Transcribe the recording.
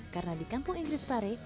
karena di kampung inggris pare